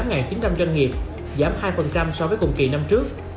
giảm hai so với cùng kỳ năm trước